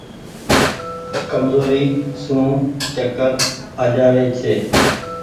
ڪمزوري سون چڪر آ جآوي ڇي۔